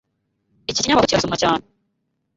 Iki kinyamakuru kirasomwa cyane.